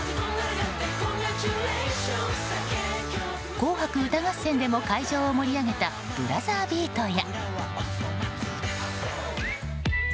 「紅白歌合戦」でも会場を盛り上げた「ブラザービート」や。